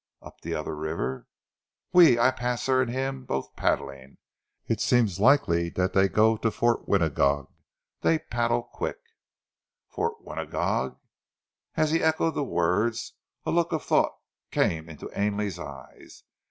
"Up the other river?" "Oui! I pass her and heem, both paddling. It seems likely dat dey go to Fort Winagog. Dey paddle quick." "Fort Winagog!" As he echoed the words, a look of thought came into Ainley's eyes.